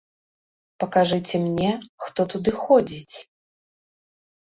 Пакажыце мне, хто туды ходзіць.